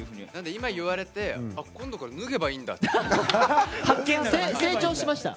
今、言われて今度から脱げばいいんだって。